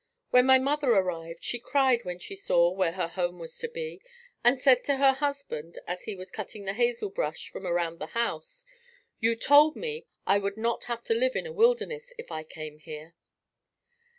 When my mother arrived she cried when she saw where her home was to be and said to her husband, as he was cutting the hazel brush from around the house, "You told me I would not have to live in a wilderness if I came here."